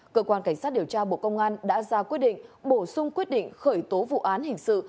cơ quan cảnh sát điều tra bộ công an đã ra quyết định bổ sung quyết định khởi tố vụ án hình sự